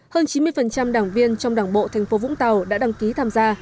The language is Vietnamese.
hơn chín mươi đảng viên trong đảng bộ thành phố vũng tàu đã đăng ký tham gia